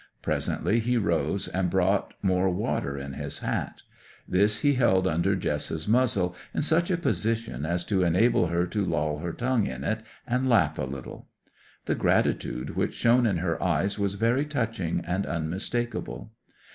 Presently he rose and brought more water in his hat. This he held under Jess's muzzle in such a position as to enable her to loll her tongue in it, and lap a little. The gratitude which shone in her eyes was very touching and unmistakable.